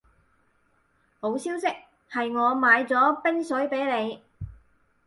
好消息係我買咗冰水畀你